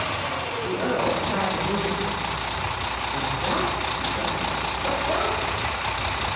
The Earl started visibly. "What's that?" he cried out. "What's that?"